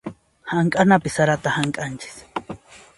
Hamk'anapi sarata hamk'anchis.